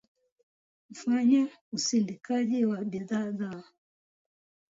kufanya usindikaji wa bidhaa zao